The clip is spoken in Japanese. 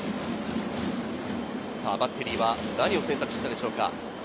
バッテリーは何を選択したでしょうか？